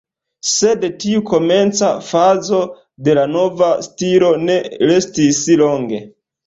Sed tiu komenca fazo de la nova stilo ne restis longe.